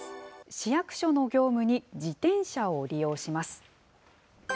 市役所の業務に自転車を利用します。